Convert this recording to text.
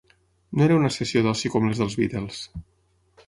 No era una sessió d'oci com les dels Beatles.